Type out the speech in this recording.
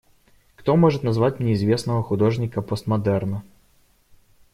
Кто может назвать мне известного художника постмодерна?